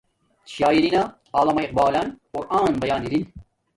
شاعری نا علامہ اقبالن قران پیان ارین